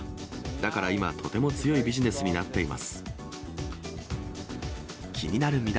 だから今、とても強いビジネスになっています。